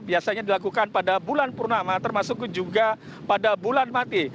biasanya dilakukan pada bulan purnama termasuk juga pada bulan mati